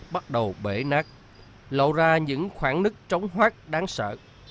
bắt đầu bể nát lậu ra những khoảng nứt trống hoác đáng sợ